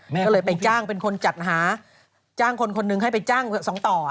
เขาเลยไปจ้างเป็นคนจัดหาจ้างคนนึงให้ไปจ้าง๒ต่อ